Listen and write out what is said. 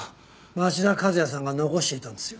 町田和也さんが残していたんですよ。